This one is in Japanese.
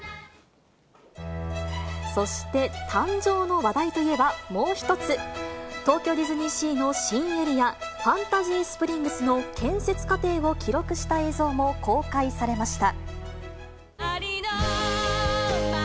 そして、誕生の話題といえば、もう一つ、東京ディズニーシーの新エリア、ファンタジースプリングスの建設過程を記録した映像も公開されました。